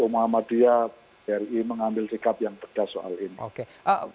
mu muhammadiyah pri mengambil sikap yang pedas soal ini